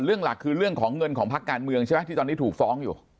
หลักคือเรื่องของเงินของพักการเมืองใช่ไหมที่ตอนนี้ถูกฟ้องอยู่